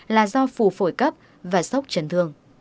là do phù phổi cấp và sốc chấn thương